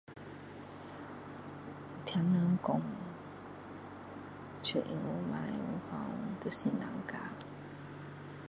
听人讲像英文马来文咯要老师教